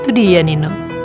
itu dia nino